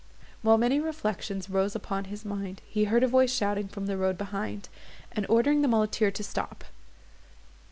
While many reflections rose upon his mind, he heard a voice shouting from the road behind, and ordering the muleteer to stop.